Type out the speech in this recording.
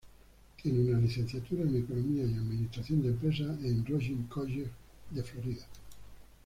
Tiene una licenciatura en economía y administración de empresas en Rollins College en Florida.